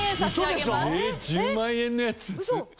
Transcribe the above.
えっ１０万円のやつ？